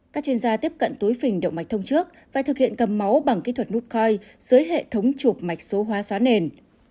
các chuyên gia tiếp cận túi phình động mạch thông trước và thực hiện cầm máu bằng kỹ thuật nutcoin dưới hệ thống chụp mạch số hóa xóa nền